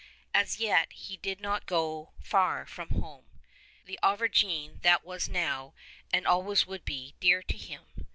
As yet he did not go far from home — the Auvergne that was now, and always would be, dear to him.